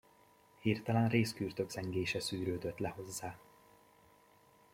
Hirtelen rézkürtök zengése szűrődött le hozzá.